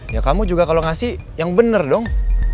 ya kamu juga kalau ngasih yang bener dong